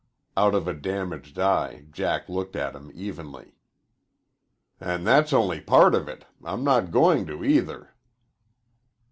Out of a damaged eye Jack looked at him evenly. "And that's only part of it. I'm not going to, either."